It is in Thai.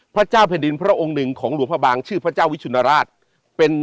พระเจ้าแผ่นดินพระองค์หนึ่งของหลวงพระบางชื่อพระเจ้าวิชุนราชเป็น